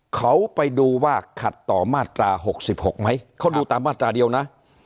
เขาไปดูว่าขัดต่อมาตรา๖๖ไหมเขาดูตามมาตราเดียวนะ